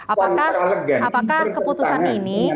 apakah keputusan ini